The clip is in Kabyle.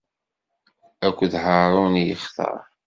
Akked Haṛun i yextar.